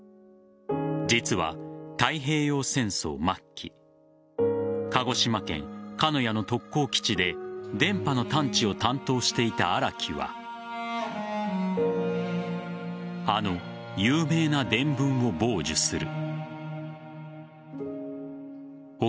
実は太平洋戦争末期鹿児島県鹿屋の特攻基地で電波の探知を担当していた新木はあの有名な電文を傍受する。